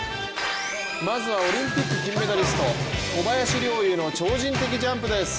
まずはオリンピック金メダリスト小林陵侑の超人的ジャンプです。